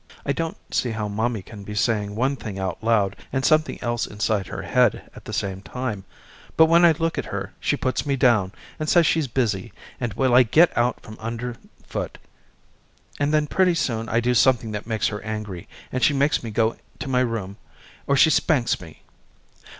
I don't see how mommy can be saying one thing out loud and something else inside her head at the same time but when I look at her she puts me down and says she's busy and will I get out from underfoot, and then pretty soon I do something that makes her angry and she makes me go to my room or she spanks me.